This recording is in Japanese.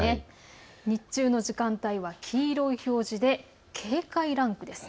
日中の時間帯は黄色い表示で警戒ランクです。